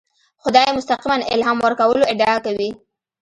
خدای مستقیماً الهام ورکولو ادعا کوي.